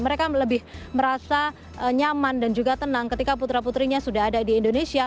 mereka lebih merasa nyaman dan juga tenang ketika putra putrinya sudah ada di indonesia